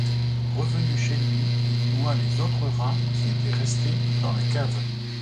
Revenu chez lui, il noie les autres rats qui étaient restés dans la cave.